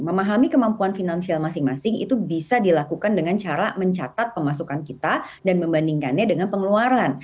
pahami kemampuan finansial masing masing itu bisa dilakukan dengan cara mencatat pemasukan kita dan membandingkannya dengan pengeluaran